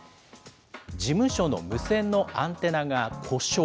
事務所の無線のアンテナが故障。